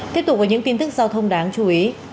tiếp tục với những tin tức giao thông đáng chú ý